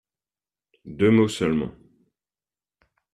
Deux mots seulement.